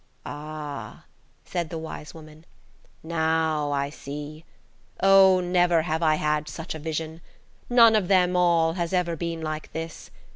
"Ah!" said the wise woman, "now I see. Oh, never have I had such a vision. None of them all has ever been like this.